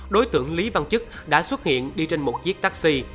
đối tượng lý văn chức đã xuất hiện đi trên một chiếc taxi